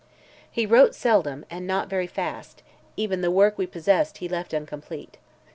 He wrote seldom, and not very fast; even the work we possess he left incomplete.